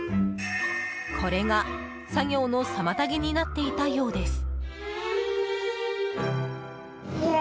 これが作業の妨げになっていたようです。